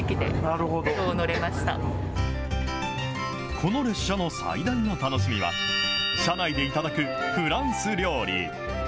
この列車の最大の楽しみは、車内で頂くフランス料理。